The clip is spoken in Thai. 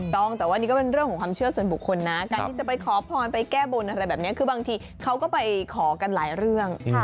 ต้องแต่ว่านี่ก็เป็นเรื่องของความเชื่อส่วนบุคคลนะการที่จะไปขอพรไปแก้บนอะไรแบบนี้คือบางทีเขาก็ไปขอกันหลายเรื่อง